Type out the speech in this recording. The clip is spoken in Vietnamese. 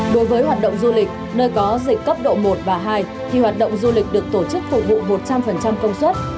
đối với hoạt động du lịch nơi có dịch cấp độ một và hai thì hoạt động du lịch được tổ chức phục vụ một trăm linh công suất